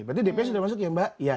berarti dpr sudah masuk ya mbak